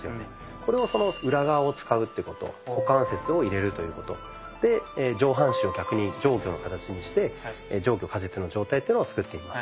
これを裏側を使うってこと股関節を入れるということで上半身を逆に上虚の形にして上虚下実の状態っていうのを作っていきます。